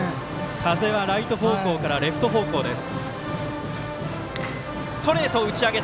風はライト方向からレフト方向です。